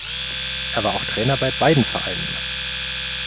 Er war auch Trainer bei beiden Vereinen.